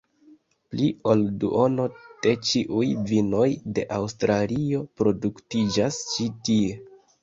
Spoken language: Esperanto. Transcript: Pli ol duono de ĉiuj vinoj de Aŭstralio produktiĝas ĉi tie.